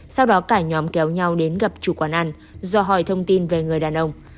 sau đó cả nhóm kéo nhau đến gặp chủ quán ăn do hỏi thông tin về người đàn ông